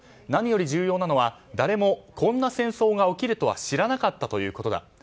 何より重要なのは誰もこんな戦争が起きるとは知らなかったということだ。